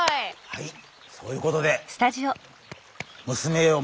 はいそういうことでむすめよ